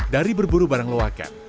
dari berburu barang loakan